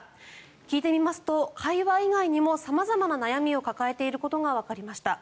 聞いてみますと会話以外にも様々な悩みを抱えていることがわかりました。